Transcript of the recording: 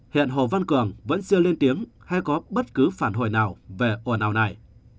hiện hồ văn cường vẫn chưa lên tiếng hay có bất cứ phản hồi nào về ồn ào này